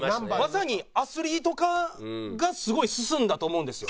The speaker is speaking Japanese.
まさにアスリート化がすごい進んだと思うんですよ。